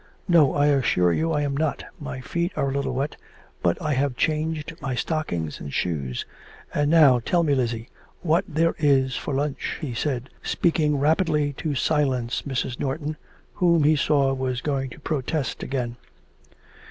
'No, I assure you, I am not. My feet were a little wet, but I have changed my stockings and shoes. And now, tell me, Lizzie, what there is for lunch,' he said, speaking rapidly to silence Mrs. Norton, who he saw was going to protest again.